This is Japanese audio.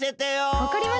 わかりましたよ。